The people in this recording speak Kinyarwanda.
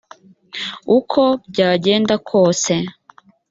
uko byagenda kose